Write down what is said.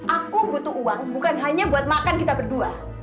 aku butuh uang bukan hanya buat makan kita berdua